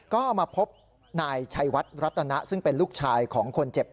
ก็มาพบนายชัยวัดรัตนะซึ่งเป็นลูกชายของคนเจ็บ